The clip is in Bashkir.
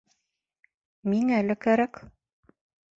Миңә лә кәрәк!